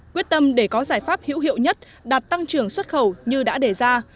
quyết tâm để có giải pháp hữu hiệu nhất đạt tăng trưởng xuất khẩu như đã đề ra